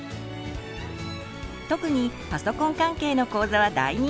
特にパソコン関係の講座は大人気です。